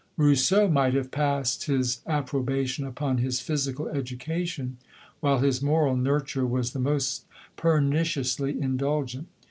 Rous seau might have passed his approbation upon his physical education, while his moral nur ture was the most perniciously indulgent.